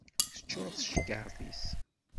Teččuṛ tcekkaṛt-is.